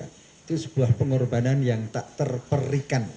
itu sebuah pengorbanan yang tak terperikan